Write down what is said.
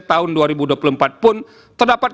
tahun dua ribu dua puluh empat pun terdapat